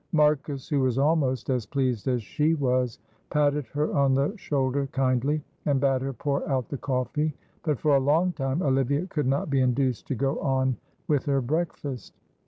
Marcus, who was almost as pleased as she was, patted her on the shoulder kindly, and bade her pour out the coffee, but for a long time Olivia could not be induced to go on with her breakfast.